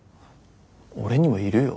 俺にもいるよ